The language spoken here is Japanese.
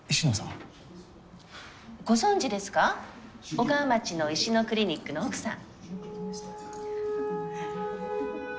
尾川町の石野クリニックの奥さん。